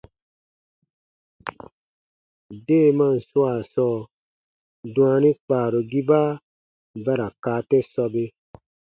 Deemaan swaa sɔɔ, dwaani kpaarugiba ba ra kaa te sɔbe.